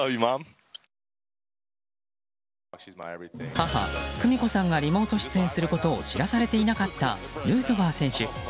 母・久美子さんがリモート出演することを知らされていなかったヌートバー選手。